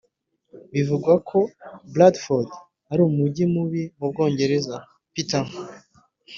bivugwa ko bradford ari umujyi mubi mu bwongereza. peterr